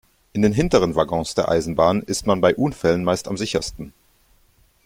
In den hinteren Waggons der Eisenbahn ist man bei Unfällen meist am sichersten.